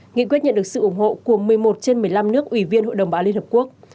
nghị quyết nhận được sự ủng hộ của một mươi một trên một mươi năm nước ủy viên hội đồng bảo an liên hợp quốc